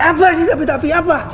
apa sih tapi tapi